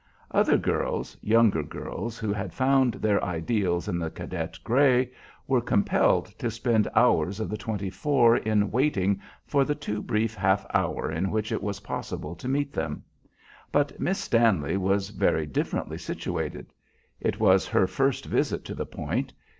Other girls, younger girls, who had found their ideals in the cadet gray, were compelled to spend hours of the twenty four in waiting for the too brief half hour in which it was possible to meet them; but Miss Stanley was very differently situated. It was her first visit to the Point.